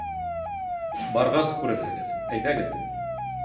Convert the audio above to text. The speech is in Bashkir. — Барғас күрерһегеҙ, әйҙәгеҙ.